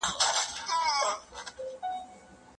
شرم د سترګو ښکلا ده.